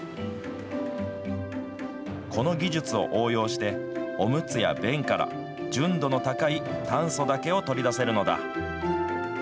この技術を応用して、おむつや便から純度の高い炭素だけを取り出せるのだ。